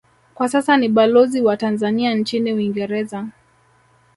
Kwa sasa ni balozi wa Tanzania nchini Uingereza